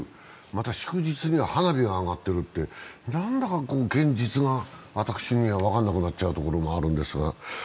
また、祝日に花火が上がってるって何だかこう、現実が私には分からなくなっちゃうんですが。